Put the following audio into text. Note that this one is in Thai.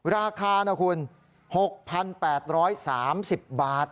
ราคานะคุณ๖๘๓๐บาท